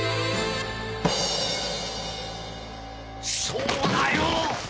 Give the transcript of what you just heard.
そうだよ！